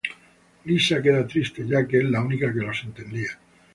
Lisa queda triste ya que es la única que los entendía.